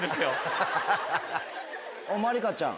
まりかちゃん。